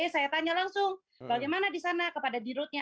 saya tanya langsung bagaimana di sana kepada dirutnya